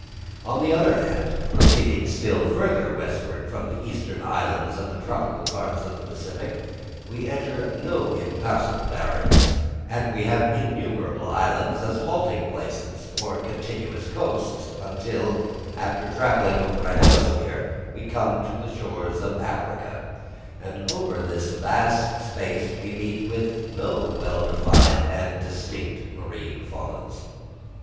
On the other hand, proceeding still farther westward from the eastern islands of the tropical parts of the Pacific, we encounter no impassable barriers, and we have innumerable islands as halting places, or continuous coasts, until, after travelling over a hemisphere, we come to the shores of Africa; and over this vast space we meet with no well defined and distinct marine faunas.